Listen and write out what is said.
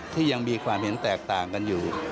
ที่ยังมีความเห็นแตกต่างกันอยู่